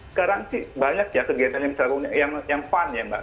sekarang sih banyak ya kegiatan yang fun ya mbak